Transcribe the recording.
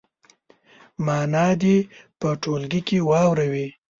معنا دې په ټولګي کې واوروي.